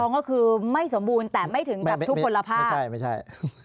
ถัดรองก็คือไม่สมบูรณ์แต่ไม่ถึงกับทุกคนละภาพไม่ใช่